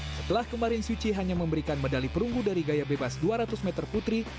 setelah kemarin suci hanya memberikan medali perunggu dari gaya bebas dua ratus meter putri